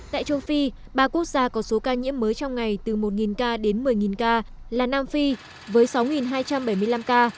tại châu phi ba quốc gia có số ca nhiễm mới trong ngày từ một ca đến một mươi ca là nam phi với sáu hai trăm bảy mươi năm ca